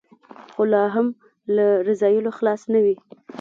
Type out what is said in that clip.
خو لا هم له رذایلو خلاص نه وي.